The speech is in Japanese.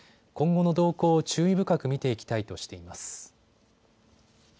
今後の動向を注意深く見ていきたいとしています。